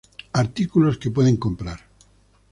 Artículos que puedes comprar.